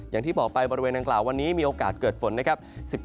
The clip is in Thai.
อย่างที่บอกไปบริเวณนางกล่าววันนี้มีโอกาสเกิดฝนนะครับ